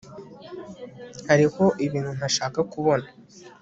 hariho ibintu ntashaka kubona